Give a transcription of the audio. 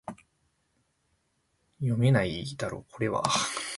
jdmpjdmx